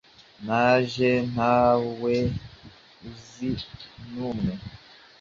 Naje ntawe unzi numwe